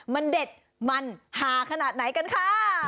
มันเด็ดมันหาขนาดไหนกันค่ะ